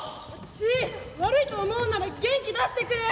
チー悪いと思うんなら元気出してくれ。